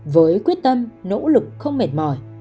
với quyết tâm nỗ lực không mệt mỏi